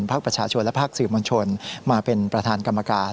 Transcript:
ภาคประชาชนและภาคสื่อมวลชนมาเป็นประธานกรรมการ